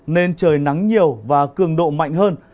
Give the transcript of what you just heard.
nên trời nắng nhiều và cường độ mạnh hơn